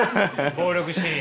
暴力シーン。